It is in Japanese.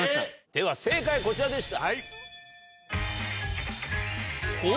では正解こちらでした。